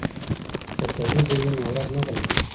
که کلیزه وي نو ورځ نه غلطیږي.